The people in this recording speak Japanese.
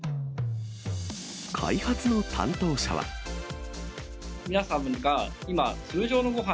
開発の担当者は。